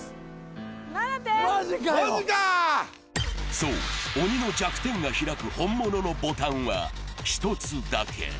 そう、鬼の弱点が開く本物のボタンは１つだけ。